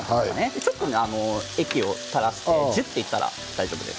ちょっと液を垂らしてジューッといったら大丈夫です。